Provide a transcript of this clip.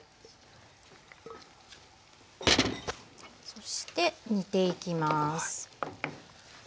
そして煮ていきます。